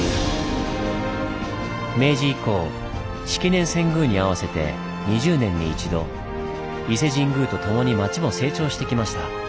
明治以降式年遷宮に合わせて２０年に一度伊勢神宮とともに町も成長してきました。